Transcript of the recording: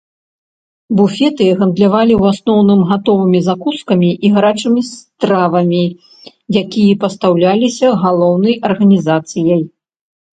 Буфеты гандлявалі ў асноўным гатовымі закускамі і гарачымі стравамі, якія пастаўляліся галаўной арганізацыяй.